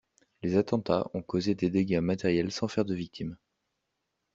Les attentats ont causé des dégâts matériels sans faire de victimes.